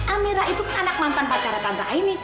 amira itu anak mantan pacaran tante aini